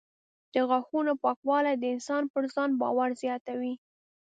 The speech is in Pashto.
د غاښونو پاکوالی د انسان پر ځان باور زیاتوي.